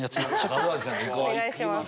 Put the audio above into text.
お願いします。